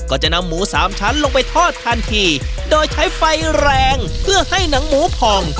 ก็จะนำหมูสามชั้นลงไปทอดทันทีโดยใช้ไฟแรงเพื่อให้หนังหมูผ่อง